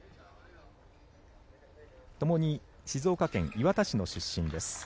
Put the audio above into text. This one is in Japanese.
ともに静岡県磐田市の出身です。